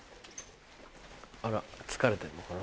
あら疲れてんのかな。